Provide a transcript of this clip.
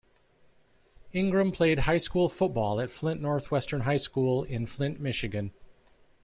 Ingram played high school football at Flint Northwestern High School in Flint, Michigan.